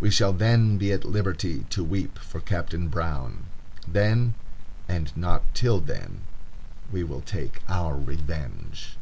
We shall then be at liberty to weep for Captain Brown. Then, and not till then, we will take our revenge.